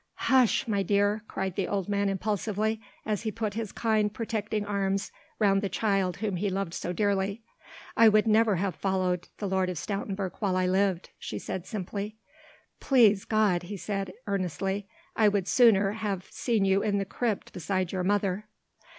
"Hush, my dear!" cried the old man impulsively, as he put his kind protecting arms round the child whom he loved so dearly. "I would never have followed the Lord of Stoutenburg while I lived," she said simply. "Please God," he said earnestly, "I would sooner have seen you in the crypt beside your mother."